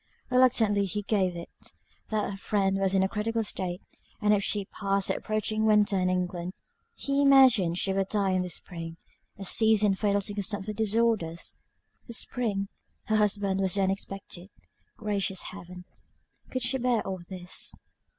Reluctantly he gave it, that her friend was in a critical state; and if she passed the approaching winter in England, he imagined she would die in the spring; a season fatal to consumptive disorders. The spring! Her husband was then expected. Gracious Heaven, could she bear all this.